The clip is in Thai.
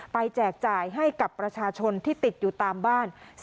แจกจ่ายให้กับประชาชนที่ติดอยู่ตามบ้าน